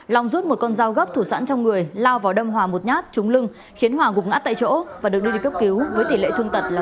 long rút một con dao gấp thủ sẵn trong người lao vào đâm hòa một nhát trúng lưng khiến hòa gục ngã tại chỗ và được đưa đi cấp cứu với tỷ lệ thương tật là